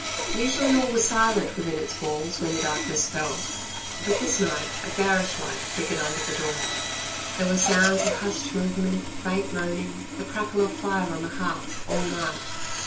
Usually, all was silent within its walls when the darkness fell; but this night a garish light flickered under the door. There were sounds of hushed movement, faint moaning, the crackling of fire on the hearth, all night.